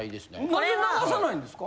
何で流さないんですか？